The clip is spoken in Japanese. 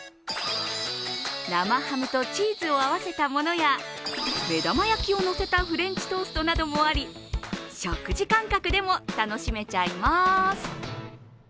生ハムとチーズを合わせたものや目玉焼きのせたフレンチトーストなどもあり食事感覚でも楽しめちゃいます。